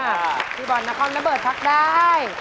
ที่บอกอันนี้ความน้ำเบิบพักได้